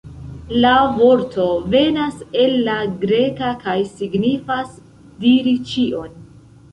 La vorto venas el la greka kaj signifas "diri ĉion".